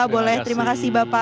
boleh terima kasih bapak